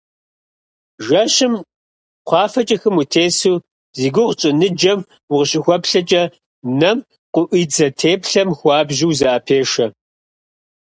Жэщым кхъуафэкӀэ хым утесу, зи гугъу тщӀы ныджэм укъыщыхуэплъэкӀэ, нэм къыӀуидзэ теплъэм хуабжьу узэӀэпешэ.